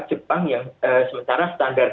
jepang yang sementara standar